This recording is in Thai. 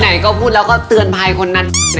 ไหนก็พูดแล้วก็เตือนภัยคนนั้น